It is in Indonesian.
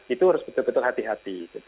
itu harus betul betul hati hati